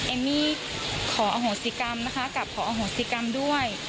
เอมมี่ขออโหสิกรรมนะคะกับขออโหสิกรรมด้วย